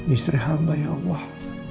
istri hamba ya allah